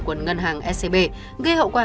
của ngân hàng scb gây hậu quả